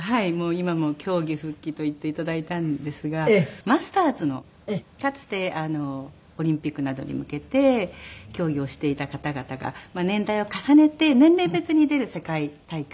今も競技復帰と言って頂いたんですがマスターズのかつてオリンピックなどに向けて競技をしていた方々が年代を重ねて年代別に出る世界大会。